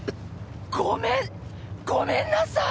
ごめんごめんなさい！